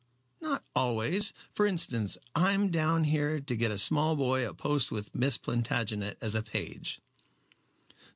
"Not always. For instance, I am down here to get a small boy a post with Miss Plantagenet as a page."